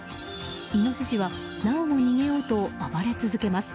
イノシシは、なおも逃げようと暴れ続けます。